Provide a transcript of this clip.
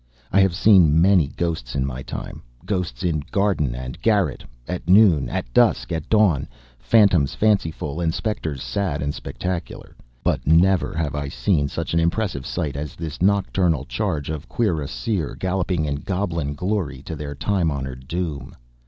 I have seen many ghosts in my time ghosts in garden and garret, at noon, at dusk, at dawn, phantoms fanciful, and specters sad and spectacular but never have I seen such an impressive sight as this nocturnal charge of cuirassiers, galloping in goblin glory to their time honored doom.